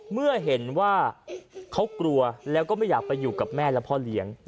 เมื่อเห็นว่าเขากลัวแล้วก็ไม่อยากไปอยู่กับแม่และพ่อเลี้ยง